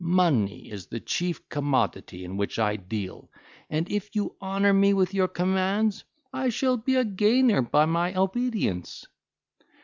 Money is the chief commodity in which I deal, and, if you honour me with your commands, I shall be a gainer by my obedience."